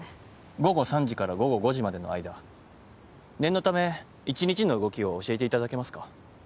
午後３時から午後５時までの間念のため一日の動きを教えていただけますか？